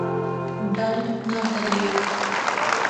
ڈنڈ نہ کریئے